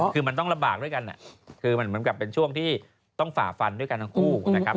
คือมันต้องระบากด้วยกันมันกลายเป็นช่วงที่ต้องฝ่าฟันด้วยกันทั้งคู่นะครับ